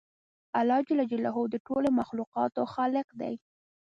الله جل جلاله د ټولو مخلوقاتو خالق دی